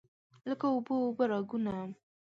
لکه اوبه، اوبه راګونه